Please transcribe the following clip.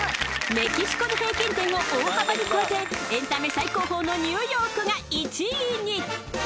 メキシコの平均点を大幅に超えてエンタメ最高峰のニューヨークが１位に。